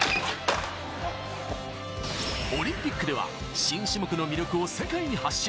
オリンピックでは新種目の魅力を世界に発信。